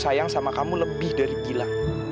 sayang sama kamu lebih dari gila